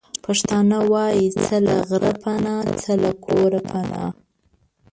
پښتانه وايې:څه له غره پنا، څه له کوره پنا.